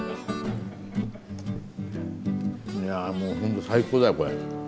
いやもうホント最高だよこれ。